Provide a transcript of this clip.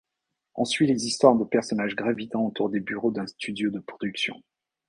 On suit les histoires de personnages gravitant autour des bureaux d'un studio de production.